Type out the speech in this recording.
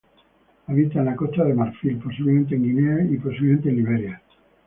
Habita en Costa de Marfil, posiblemente Guinea y posiblemente Liberia.